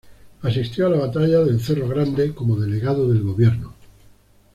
Asistió a la batalla de Cerro Grande como delegado del gobierno.